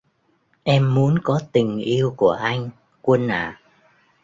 Em muốn có tình yêu của anh Quân ạ